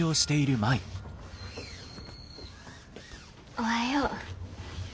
おはよう。